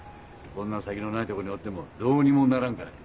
こんな先のないとこにおってもどうにもならんからて。